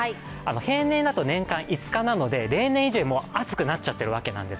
平年だと年間５日なので例年以上に暑くなっているわけです。